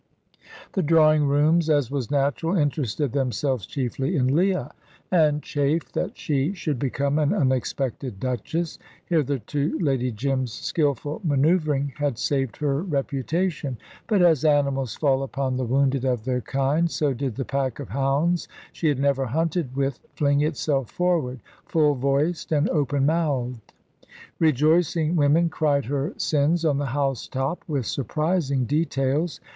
The drawing rooms, as was natural, interested themselves chiefly in Leah, and chafed that she should become an unexpected Duchess. Hitherto Lady Jim's skilful man[oe]uvring had saved her reputation, but, as animals fall upon the wounded of their kind, so did the pack of hounds she had never hunted with fling itself forward, full voiced and open mouthed. Rejoicing women cried her sins on the housetop with surprising details.